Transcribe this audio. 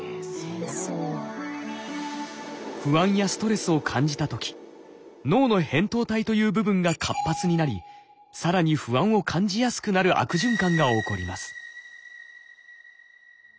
不安やストレスを感じた時脳の扁桃体という部分が活発になり更に不安を感じやすくなる悪循環が起こります。